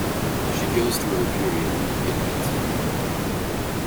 She goes through her period of "iddat".